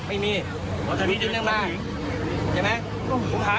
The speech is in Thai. ผู้หญิงครับเหรอ